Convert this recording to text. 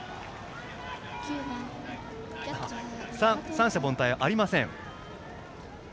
三者凡退ありません。